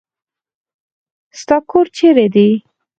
ستا کور چیرې دی؟